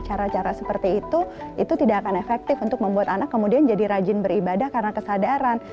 cara cara seperti itu itu tidak akan efektif untuk membuat anak kemudian jadi rajin beribadah karena kesadaran